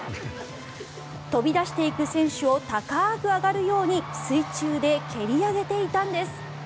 飛び出していく選手が高く上がるように水中で蹴り上げていたんです。